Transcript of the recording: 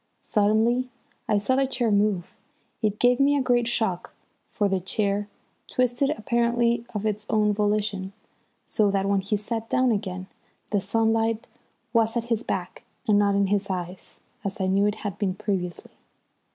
Suddenly I saw the chair move. It gave me a great shock, for the chair twisted apparently of its own volition, so that when he sat down again the sunlight was at his back and not in his eyes, as I knew it had been previously.